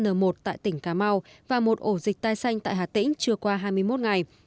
n một tại tỉnh cà mau và một ổ dịch tai xanh tại hà tĩnh chưa qua hai mươi một ngày